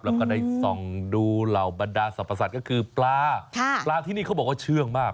แล้วก็ได้ส่องดูเหล่าบรรดาสรรพสัตว์ก็คือปลาปลาที่นี่เขาบอกว่าเชื่องมาก